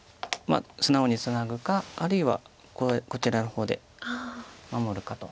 素直にツナぐかあるいはこちらの方で守るかと。